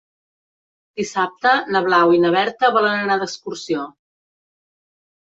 Dissabte na Blau i na Berta volen anar d'excursió.